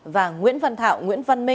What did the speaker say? và nguyễn văn thảo nguyễn văn minh